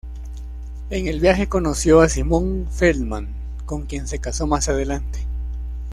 En el viaje conoció a Simón Feldman con quien se casó más adelante.